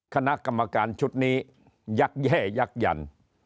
คณะกรรมการชุดนี้ยักษ์แย่ยักยัน